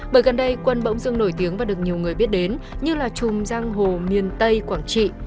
bởi gần đây quân bỗng dưng nổi tiếng và được nhiều người biết đến như là chùm giang hồ miền tây quảng trị